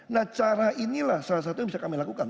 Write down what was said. nah cara inilah salah satu yang bisa kami lakukan